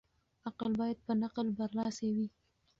عقل بايد په نقل برلاسی وي.